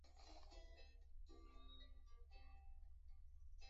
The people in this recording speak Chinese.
中共第十九届中央纪律检查委员会委员。